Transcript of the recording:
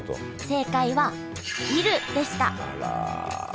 正解は「煎る」でした。